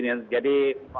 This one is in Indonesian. jadi memang pengkaitannya